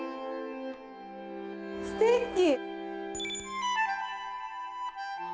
ステッキ。